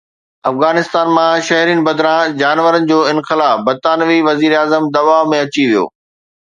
افغانستان مان شهرين بدران جانورن جو انخلاء، برطانوي وزيراعظم دٻاءُ ۾ اچي ويو